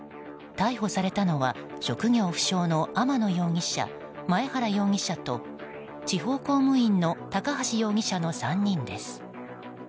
逮捕されたのは職業不詳の天野容疑者前原容疑者と地方公務員の高橋容疑者の３人です。